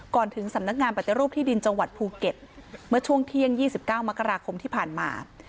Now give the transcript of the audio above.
ถึงสำนักงานปฏิรูปที่ดินจังหวัดภูเก็ตเมื่อช่วงเที่ยง๒๙มกราคมที่ผ่านมา